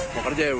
mau kerja ya bu